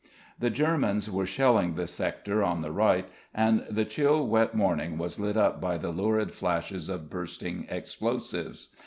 The Germans were shelling the sector on the right, and the chill, wet morning was lit up by the lurid flashes of bursting explosives.